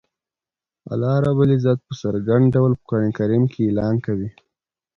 الله رب العزت په څرګند ډول په قران کریم کی اعلان کوی